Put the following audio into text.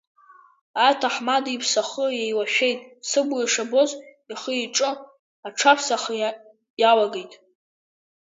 Аҭаҳмада иԥсахы еилашәеит, сыбла ишабоз ихиҿы аҽаԥсахра иалагеит.